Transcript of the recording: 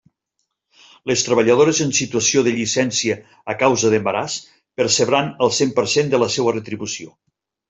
Les treballadores en situació de llicència a causa d'embaràs percebran el cent per cent de la seua retribució.